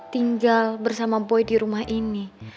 tinggal bersama boy di rumah ini